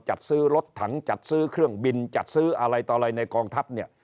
จัดซื้อรถถังจัดซื้อเครื่องบินจัดซื้ออะไรต่ออะไรในกองทัพเนี่ย